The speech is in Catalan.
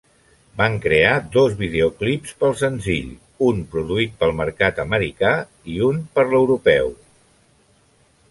Van crear dos videoclips pel senzill, un produït pel mercat americà i un per l'europeu.